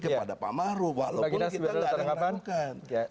kepada pak maruf walaupun kita gak ada yang lakukan